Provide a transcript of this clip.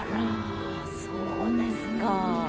あらそうですか。